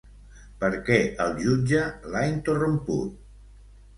Per què el jutge l'ha interromput?